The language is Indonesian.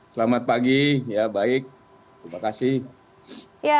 selamat pagi ya baik terima kasih